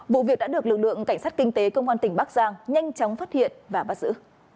vụ việc đã được lực lượng cảnh sát kinh tế công an tỉnh bắc giang nhanh chóng phát hiện và bắt giữ